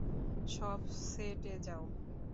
সব সেট এ যাও।